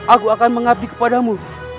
aku akan mengabdi kepada mu